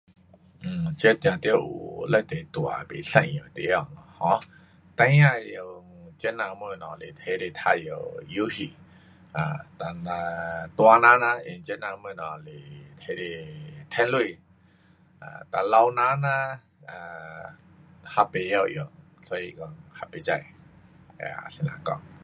um 这定得有非常大的不一样的地方，um 孩儿用这呐东西是提来玩耍游戏。[um]dan 呐大人呐，用这呐的东西是提来赚钱，哒老人呐 um 还不晓用，所以讲还不知啊怎样讲。